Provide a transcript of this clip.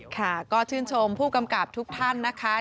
ค่ะก็ชื่นชมผู้กำกับทุกท่านนะคะ